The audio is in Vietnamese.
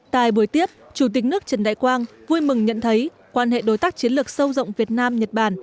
tại buổi tiếp chủ tịch nước trần đại quang vui mừng nhận thấy quan hệ đối tác chiến lược sâu rộng việt nam nhật bản